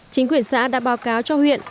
chính quyền xã đã báo cáo cho huyện